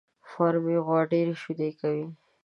فارمي غوا ډېري شيدې کوي